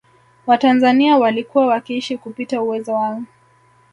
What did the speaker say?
Watanzania walikuwa wakiishi kupita uwezo wao